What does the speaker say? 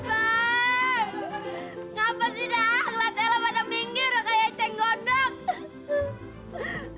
kenapa sih dah latela pada minggir kayak cenggodak